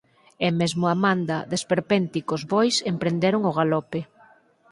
E mesmo a manda de esperpénticos bois emprenderon o galope.